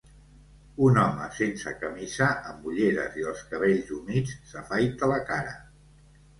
Un home sense camisa, amb ulleres i els cabells humits s'afaita la cara.